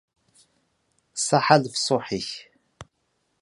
Ṣaḥḥa lefṣuḥ-ik.